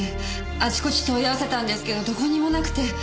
あちこち問い合わせたんですけどどこにもなくて。